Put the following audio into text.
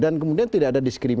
dan kemudian tidak ada dipercaya